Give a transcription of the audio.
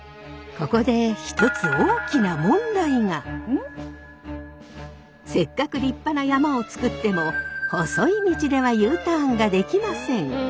ここで一つせっかく立派な山車を作っても細い道ではＵターンができません。